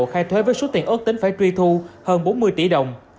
khai thuế với số tiền ước tính phải truy thu hơn bốn mươi tỷ đồng